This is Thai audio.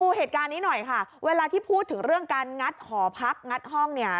ดูเหตุการณ์นี้หน่อยค่ะเวลาที่พูดถึงเรื่องการงัดหอพักงัดห้องเนี่ย